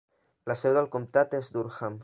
La seu del comtat és Durham.